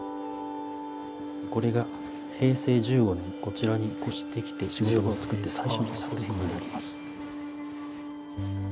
これが平成１５年こちらに越してきて仕事場をつくって最初の作品になります。